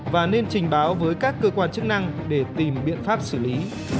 và nên trình báo với các cơ quan chức năng để tìm biện pháp xử lý